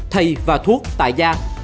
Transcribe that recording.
thầy và thuốc tại gia